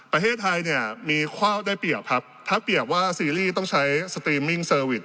ประเทศไทยเนี่ยมีข้อได้เปรียบครับถ้าเปรียบว่าซีรีส์ต้องใช้สตรีมมิ่งเซอร์วิส